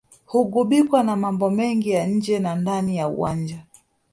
hugubikwa na mambo mengi ya nje na ndani ya uwanja